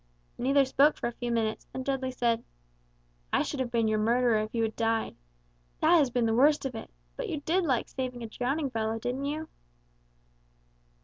Neither spoke for a few minutes; then Dudley said, "I should have been your murderer if you had died. That has been the worst of it. But you did like saving a drowning fellow, didn't you?"